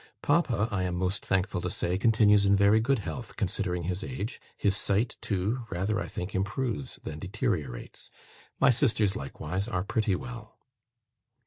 ... Papa, I am most thankful to say, continues in very good health, considering his age; his sight, too, rather, I think, improves than deteriorates. My sisters likewise are pretty well."